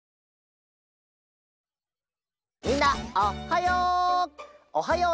みんなおっはよう！